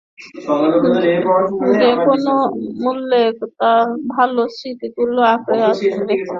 যেকোনো মূল্যে, ভালো স্মৃতিগুলা আঁকড়ে রেখো।